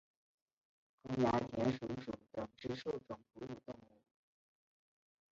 沟牙田鼠属等之数种哺乳动物。